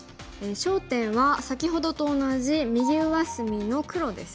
焦点は先ほどと同じ右上隅の黒ですね。